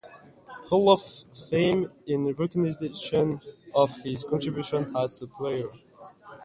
Hall of Fame in recognition of his contribution as a player.